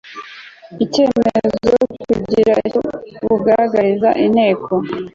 icyemezo kugira icyo bugaragariza inteko